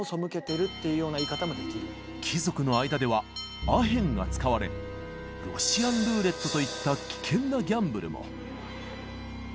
貴族の間ではアヘンが使われロシアンルーレットといった危険なギャンブルも。